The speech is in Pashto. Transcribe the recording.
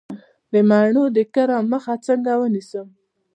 د مڼو د کرم مخه څنګه ونیسم؟